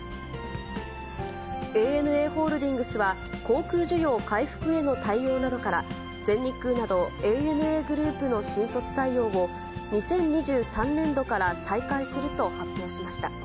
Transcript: ＡＮＡホールディングスは、航空需要回復への対応などから、全日空などＡＮＡグループの新卒採用を、２０２３年度から再開すると発表しました。